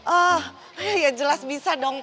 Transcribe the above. ah ya jelas bisa dong